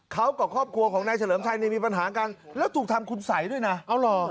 เขากับครอบครัวของนายเฉลิมชัยเนี่ยมีปัญหากันแล้วถูกทำคุณสัยด้วยนะเอาเหรอ